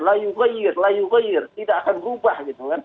layu ghair layu ghair tidak akan berubah